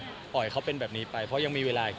คุณจะปล่อยเขาให้เป็นเวลาแบบนี้ไหร่มีเวลาอีกเยอะ